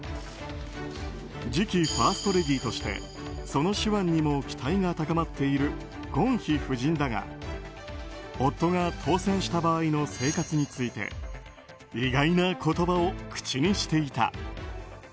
次期ファーストレディーとしてその手腕にも期待が高まっているゴンヒ夫人だが夫が当選した場合の生活について意外な言葉を口にしていた。